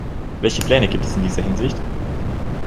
Welche Pläne gibt es in dieser Hinsicht?